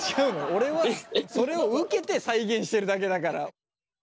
俺はそれを受けて再現してるだけだから。